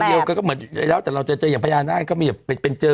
ครับเขาเหมือนเราจะอย่างภายาระให้ก็ไม่อย่างเป็นเจอ